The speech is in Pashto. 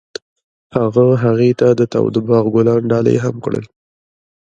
هغه هغې ته د تاوده باغ ګلان ډالۍ هم کړل.